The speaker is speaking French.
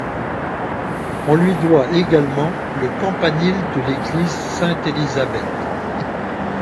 On lui doit également le campanile de l'église Sainte-Élisabeth.